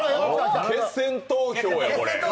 決選投票や、これ。